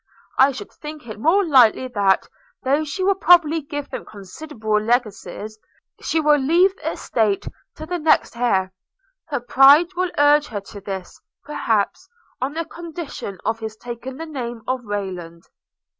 I should think it more likely that, though she will probably give them considerable legacies, she will leave the estate to the next heir; her pride will urge her to this, perhaps, on the condition of his taking the name of Rayland.'